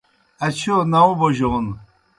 اچِھیؤ ناؤں بوجون